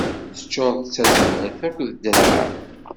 Teččuṛeḍ d tazmert akked ddreɛ.